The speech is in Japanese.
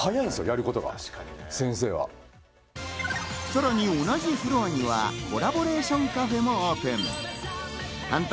さらに同じフロアにはコラボレーションカフェもオープン。